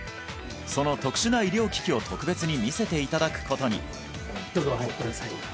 その特殊な医療機器を特別に見せていただくことにどうぞお入りください